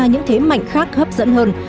những thế mạnh khác hấp dẫn hơn